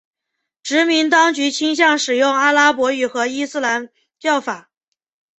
殖民当局倾向使用阿拉伯语和伊斯兰教法。